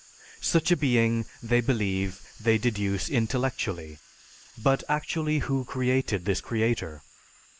Such a being, they believe, they deduce intellectually. But actually who created this creator?